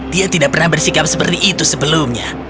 dia tidak pernah bersikap seperti itu sebelumnya